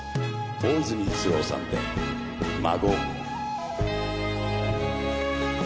大泉逸郎さんで『孫』。